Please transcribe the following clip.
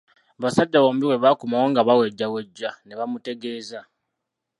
Abasajja bombi bwe baakomawo nga bawejjawejja ne bamutegeeza.